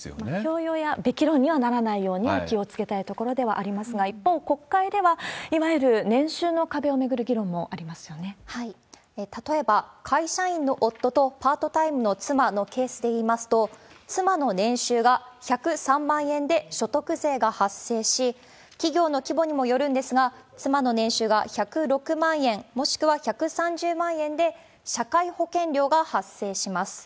強要ができるようにはならないようには気をつけたいところではありますが、一方、国会では、いわゆる年収の壁を巡る議論もあ例えば、会社員の夫とパートタイムの妻のケースでいいますと、妻の年収が１０３万円で所得税が発生し、企業の規模にもよるんですが、妻の年収が１０６万円、もしくは１３０万円で社会保険料が発生します。